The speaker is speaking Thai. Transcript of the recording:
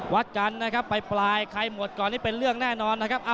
วัดจันทร์นะครับไปปลายใครหมดก่อนนี่เป็นเรื่องแน่นอนนะครับ